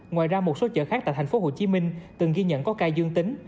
ngoài ra một số chợ khác tại tp hcm từng ghi nhận có ca dương tính